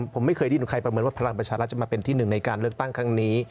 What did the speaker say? ผมไม่เคยได้ยินใครประเมินว่าพลังประชารัฐจะมาเป็นที่หนึ่งในการเลือกตั้งครั้งนี้